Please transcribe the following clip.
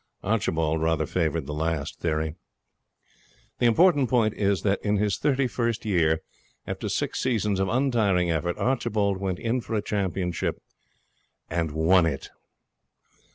Archibald rather favoured the last theory. The important point is that, in his thirty first year, after six seasons of untiring effort, Archibald went in for a championship, and won it.